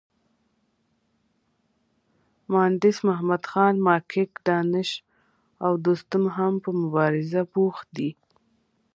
مانډس محمدخان، ماکیک، دانش او دوستم هم په مبارزه بوخت دي.